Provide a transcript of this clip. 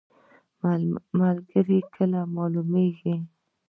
ملګری کله معلومیږي؟